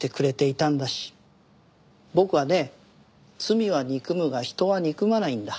僕はね罪は憎むが人は憎まないんだ。